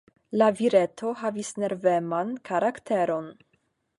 La vireto havis nerveman karakteron.